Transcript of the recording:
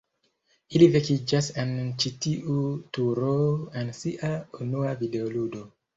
Ili vekiĝas en ĉi tiu turo en sia unua videoludo.